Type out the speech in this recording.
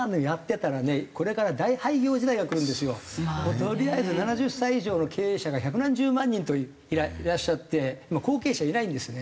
とりあえず７０歳以上の経営者が百何十万人といらっしゃって後継者いないんですね。